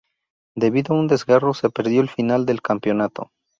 Debido a un desgarro se perdió el final del campeonato.